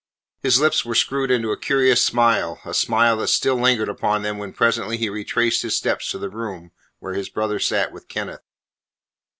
His lips were screwed into a curious smile a smile that still lingered upon them when presently he retraced his steps to the room where his brother sat with Kenneth.